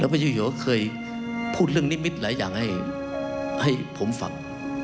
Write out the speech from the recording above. พระเจ้าอยู่ก็เคยพูดเรื่องนิมิตหลายอย่างให้ผมฟัง